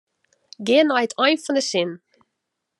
Gean nei it ein fan de sin.